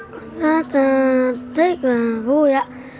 con rất thích và vui ạ